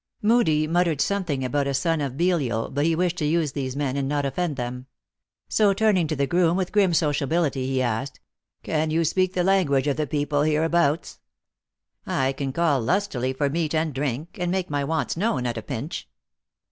Moodie muttered something about a son of Belial, but he wished to use these men, and not offend them. So, turning to the groom, with grim sociability, he asked :" Can you speak the language of the people hereabouts ?"" I can call lustily for meat and drink, and make my wants known at a pinch."